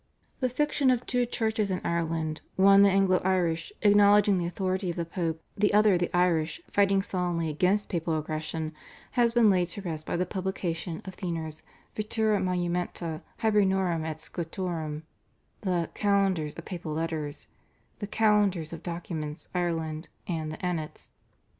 The fiction of two churches in Ireland, one the Anglo Irish acknowledging the authority of the Pope, the other the Irish fighting sullenly against papal aggression, has been laid to rest by the publication of Theiner's /Vetera Monumenta Hibernorum et Scotorum/, the /Calendars of Papal Letters/, the /Calendars of Documents (Ireland)/ and the /Annats